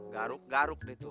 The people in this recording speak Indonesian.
garuk garuk deh tuh